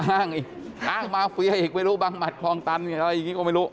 อ้างอีกอ้างมาเฟียอีกไม่รู้บังหมัดคลองตันอะไรอย่างนี้ก็ไม่รู้